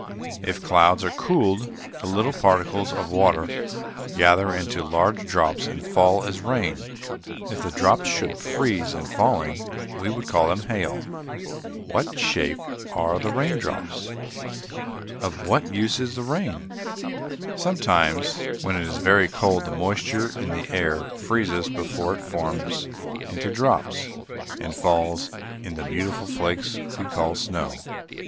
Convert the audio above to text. If clouds are cooled, the little particles of water gather into large drops and fall as rain. If the drops should freeze in falling, we would call them hail. What shape are the raindrops? Of what use is the rain? [Illustration: "HAVE YOU EVER SEEN SNOWFLAKES THROUGH A MICROSCOPE?"] Sometimes, when it is very cold, the moisture in the air freezes before it forms into drops, and falls in the beautiful flakes we call snow.